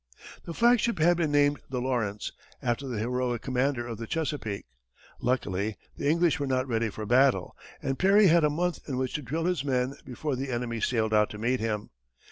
The flagship had been named the Lawrence, after the heroic commander of the Chesapeake. Luckily the English were not ready for battle, and Perry had a month in which to drill his men before the enemy sailed out to meet him.